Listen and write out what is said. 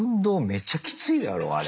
めちゃきついだろあれ。